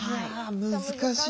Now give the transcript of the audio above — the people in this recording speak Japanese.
難しい。